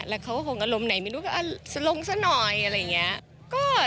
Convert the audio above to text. แล้วเขาก็คงอารมณ์ไหนไม่รู้แบบสลงซะหน่อยอะไรอย่างนี้